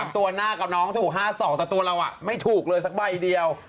ตัวหน้ากับน้องถูก๕๒แต่ตัวเราไม่ถูกเลยสักใบเดียว